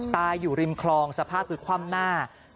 ตายอยู่ริมคลองสภาพคือคว่ำหน้า